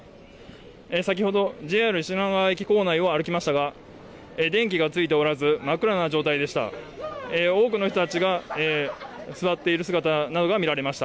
先ほどＪＲ品川駅構内を歩きましたが電気がついておらず真っ暗な状態でした。